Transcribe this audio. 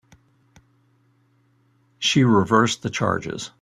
She reversed the charges.